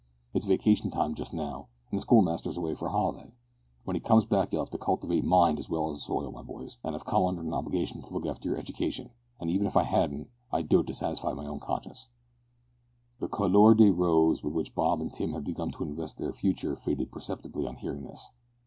"It's vacation time just now, and the schoolmaster's away for a holiday. When he comes back you'll have to cultivate mind as well as soil, my boys, for I've come under an obligation to look after your education, and even if I hadn't, I'd do it to satisfy my own conscience." The couleur de rose with which Bob and Tim had begun to invest their future faded perceptibly on hearing this.